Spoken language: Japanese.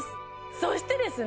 そしてですね